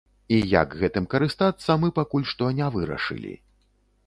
І як гэтым карыстацца, мы пакуль што не вырашылі.